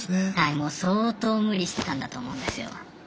もう相当無理してたんだと思うんですよ。